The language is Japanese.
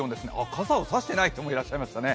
傘を差していない人もいらっしゃいましたね。